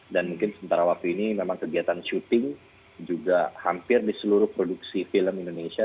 dan mungkin sementara waktu ini memang kegiatan syuting juga hampir di seluruh produksi film indonesia